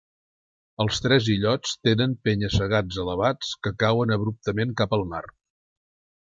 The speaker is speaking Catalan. Els tres illots tenen penya-segats elevats, que cauen abruptament cap al mar.